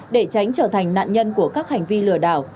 để tránh trở thành nạn nhân của các hành vi lừa đảo